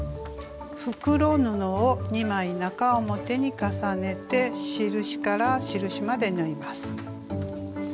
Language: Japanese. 袋布を２枚中表に重ねて印から印まで縫います。